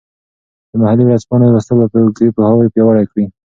د محلي ورځپاڼو لوستل به فکري پوهاوي پیاوړی کړي.